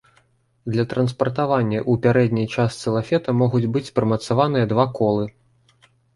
Для транспартавання ў пярэдняй частцы лафета могуць быць прымацаваныя два колы.